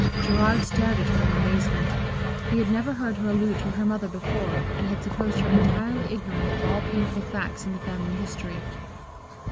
Gerard stared at her in amazement. He had never heard her allude to her mother before, and had supposed her entirely ignorant of all painful facts in the family history.